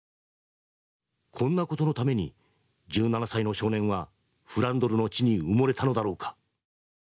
こんな事のために１７歳の少年はフランドルの地に埋もれたのだろうか。